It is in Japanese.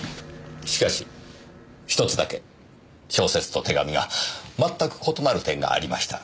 しかしひとつだけ小説と手紙が全く異なる点がありました。